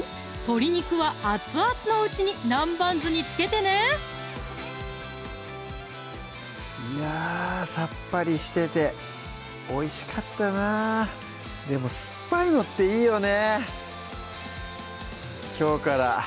鶏肉は熱々のうちに南蛮酢に漬けてねいやさっぱりしてておいしかったなでも酸っぱいのっていいよね